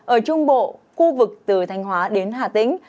ở trung bộ khu vực từ thanh hóa đến hà tĩnh